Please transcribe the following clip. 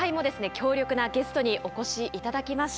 強力なゲストにお越し頂きました。